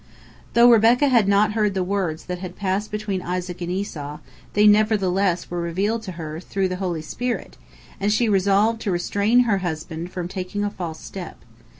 Though Rebekah had not heard the words that had passed between Isaac and Esau, they nevertheless were revealed to her through the holy spirit, and she resolved to restrain her husband from taking a false step.